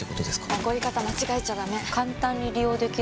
怒り方、間違えちゃダメ。